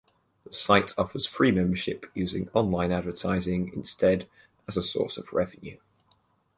The site offers free membership, using online advertising instead as a source of revenue.